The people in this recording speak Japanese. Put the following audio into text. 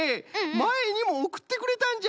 まえにもおくってくれたんじゃ。